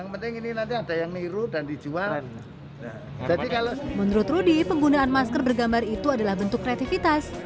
menurut rudi penggunaan masker bergambar itu adalah bentuk kreativitas